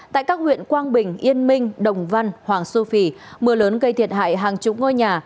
tại các huyện quang bình yên minh đồng văn hoàng su phi mưa lớn gây thiệt hại hàng chục ngôi nhà